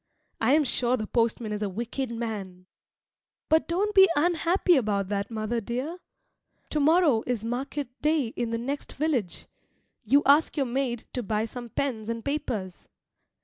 I am sure the postman is a wicked man. But don't be unhappy about that, mother dear. To morrow is market day in the next village. You ask your maid to buy some pens and papers.